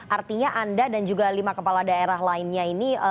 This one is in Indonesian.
artinya anda dan juga lima kepala daerah lainnya ini